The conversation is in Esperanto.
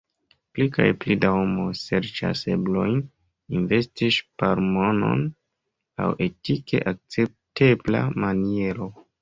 Pli kaj pli da homoj serĉas eblojn investi ŝparmonon laŭ etike akceptebla maniero.